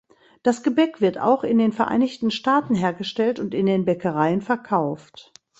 Das Gebäck wird auch in den Vereinigten Staaten hergestellt und in den Bäckereien verkauft.